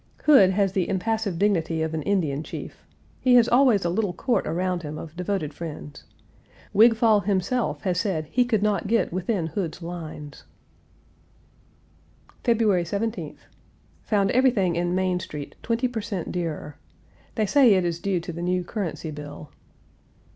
Hood has the impassive dignity of an Indian chief. He has always a little court around him of devoted friends. Wigfall, himself, has said he could not get within Hood's lines." February 17th. Found everything in Main Street twenty per cent dearer. They say it is due to the new currency bill.